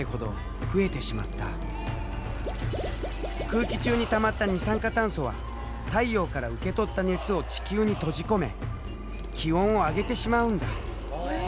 空気中にたまった二酸化炭素は太陽から受け取った熱を地球に閉じ込め気温を上げてしまうんだ。